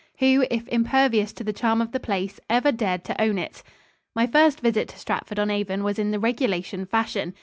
Who, if impervious to the charm of the place, ever dared to own it? My first visit to Stratford on Avon was in the regulation fashion.